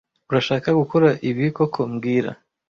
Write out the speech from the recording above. Urashaka gukora ibi koko mbwira